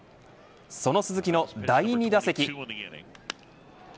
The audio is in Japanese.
その鈴木の第２打席。